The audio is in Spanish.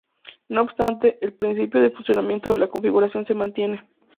No obstante, el principio de funcionamiento de la configuración se mantiene.